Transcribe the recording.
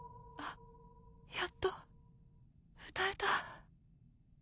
やっと歌えた。